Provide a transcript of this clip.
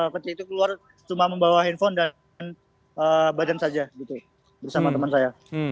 peti itu keluar cuma membawa handphone dan badan saja gitu bersama teman saya